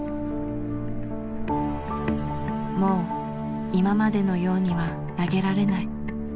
「もう今までのようには投げられない」。